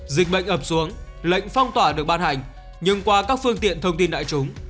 dịch bệnh ập xuống lệnh phong tỏa được ban hành nhưng qua các phương tiện thông tin đại chúng